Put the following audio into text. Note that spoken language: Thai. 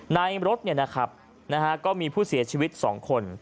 ในรถก็มีผู้เสียชีวิต๒คน